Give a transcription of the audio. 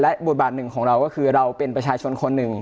บทบาทหนึ่งของเราก็คือเราเป็นประชาชนคนหนึ่ง